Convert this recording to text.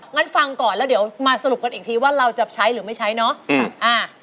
งั้นฟังก่อนแล้วเดี๋ยวมาสรุปกันอีกทีว่าเราจะใช้หรือไม่ใช้เนาะ